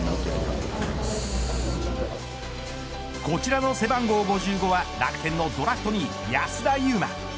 こちらの背番号５５は楽天のドラフト２位、安田悠馬。